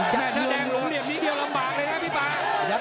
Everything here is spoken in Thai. ก็แน่นอนแหยะแมนใช่ไหมครับพี่ฟ้า